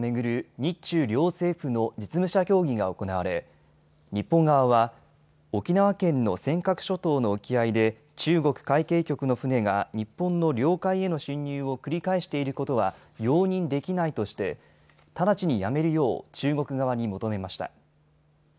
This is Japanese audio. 日中両政府の実務者協議が行われ日本側は沖縄県の尖閣諸島の沖合で中国海警局の船が日本の領海への侵入を繰り返していることは容認できないとして直ちにやめるよう中国側に求めました。